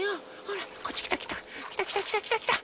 ほらこっちきたきた。